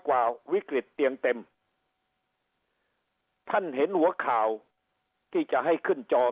กว่าวิกฤตเตียงเต็มท่านเห็นหัวข่าวที่จะให้ขึ้นจอ